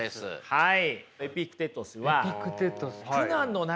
はい。